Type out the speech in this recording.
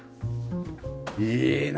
いいね！